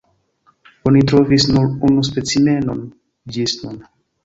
Oni trovis nur unu specimenon ĝis nun.